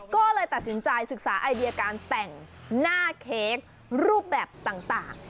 ก็เลยตัดสินใจศึกษาไอเดียการแต่งหน้าเค้กรูปแบบต่าง